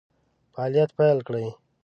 فعالیت پیل کړي.